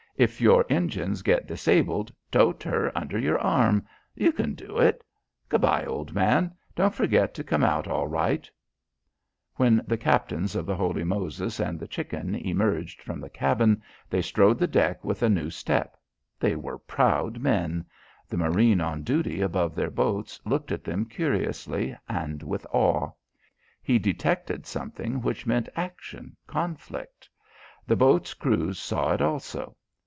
If your engines get disabled, tote her under your arm. You can do it. Good bye, old man, don't forget to come out all right " When the captains of the Chicken and the Chicken emerged from the cabin, they strode the deck with a new step. They were proud men. The marine on duty above their boats looked at them curiously and with awe. He detected something which meant action, conflict, The boats' crews saw it also.